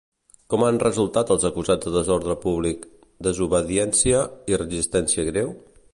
Com han resultat els acusats de desordre públic, desobediència i resistència greu?